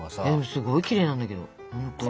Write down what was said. すごいきれいなんだけど本当に。